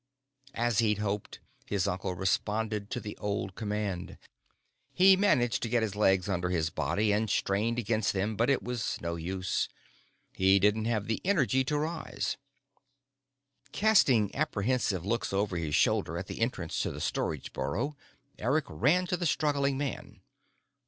As he'd hoped, his uncle responded to the old command. He managed to get his legs under his body, and strained against them, but it was no use. He didn't have the energy to rise. Casting apprehensive looks over his shoulder at the entrance to the storage burrow, Eric ran to the struggling man.